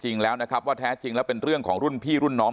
จริงแล้วนะครับว่าแท้จริงแล้วเป็นเรื่องของรุ่นพี่รุ่นน้อง